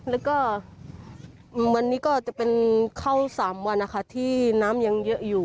แล้วก็วันนี้ก็จะเป็นเข้า๓วันนะคะที่น้ำยังเยอะอยู่